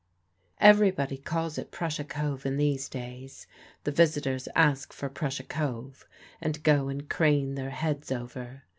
Everybody calls it Prussia Cove in these days. The visitors ask for Prussia Cove, and go and crane their heads over.